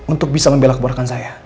untuk bisa membela keborkan saya